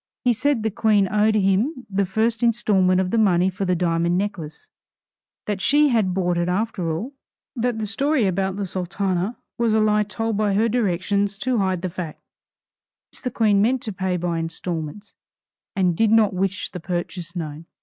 He said the Queen owed him the first instalment of the money for the diamond necklace; that she had bought it after all; that the story about the Sultana was a lie told by her directions to hide the fact; since the Queen meant to pay by instalments, and did not wish the purchase known.